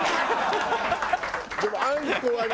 でもあんこはね